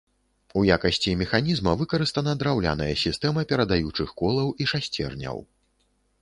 У якасці механізма выкарыстана драўляная сістэма перадаючых колаў і шасцерняў.